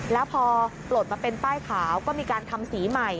แล้วพอปลดมาเป็นป้ายขาวก็มีการทำสีใหม่